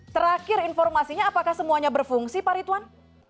terakhir informasinya apakah semuanya berfungsi pak ritwan